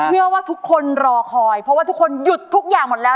เชื่อว่าทุกคนรอคอยเพราะว่าทุกคนหยุดทุกอย่างหมดแล้ว